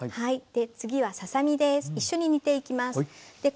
次はささ身です。